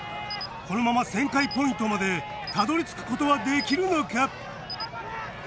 このまま旋回ポイントまでたどりつく事はできるのか！？